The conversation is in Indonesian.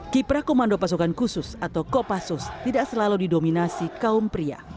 kiprah komando pasukan khusus atau kopassus tidak selalu didominasi kaum pria